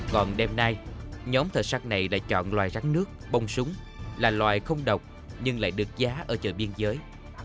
còn đêm nay nhóm thợ sát này lại chọn loài rắn nước bông súng là loài không độc nhưng lại được giá ở chợ biên giới